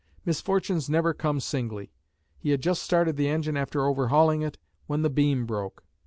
Misfortunes never come singly; he had just started the engine after overhauling it, when the beam broke.